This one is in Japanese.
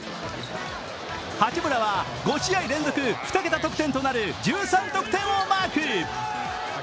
八村は５試合連続２桁得点となる１３得点をマーク。